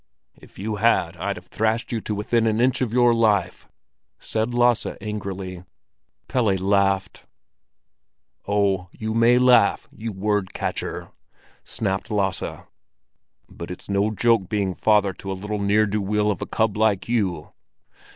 "If you had, I'd have thrashed you to within an inch of your life," said Lasse angrily. Pelle laughed. "Oh, you may laugh, you word catcher!" snapped Lasse. "But it's no joke being father to a little ne'er do weel of a cub like you!"